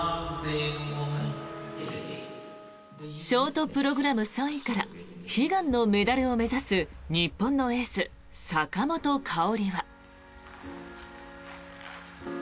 ショートプログラム３位から悲願のメダルを目指す日本のエース、坂本花織は。